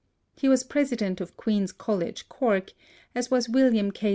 He was president of Queen's College, Cork, as was William K.